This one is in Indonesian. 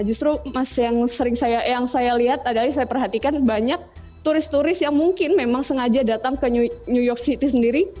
justru yang sering yang saya lihat adalah saya perhatikan banyak turis turis yang mungkin memang sengaja datang ke new york city sendiri